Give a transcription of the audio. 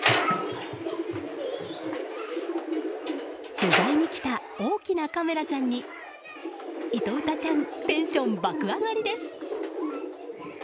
取材に来た大きなカメラちゃんにいと、うたちゃんテンション爆上がりです！